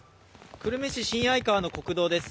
久留米市新合川の国道です。